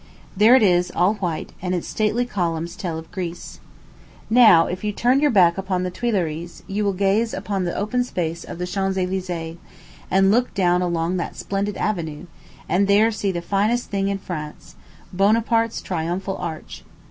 There it is, all white, and its stately columns tell of Greece. Now, if you turn your back upon the Tuileries, you will gaze upon the open space of the Champs Elysées, and look down along through that splendid avenue, and there see the finest thing in France Bonaparte's triumphal arch.